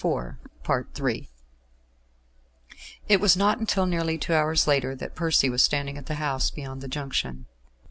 III It was not until nearly two hours later that Percy was standing at the house beyond the Junction.